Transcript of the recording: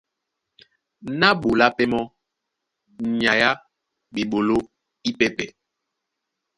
Na ɓola pɛ́ mɔ́ nyay á ɓeɓoló ípɛ́pɛ̄.